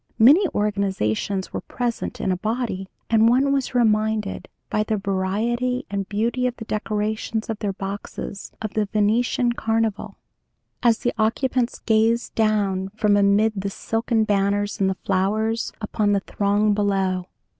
Many organizations were present in a body, and one was reminded, by the variety and beauty of the decorations of their boxes, of the Venetian Carnival, as the occupants gazed down from amid the silken banners and the flowers, upon the throng below.